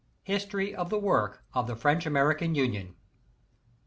HISTORY OF THE WORK OF THE FRENCH AMERICAN UNION.